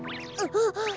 あっ。